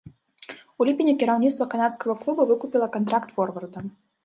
У ліпені кіраўніцтва канадскага клуба выкупіла кантракт форварда.